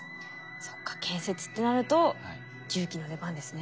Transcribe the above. そっか建設ってなると重機の出番ですね。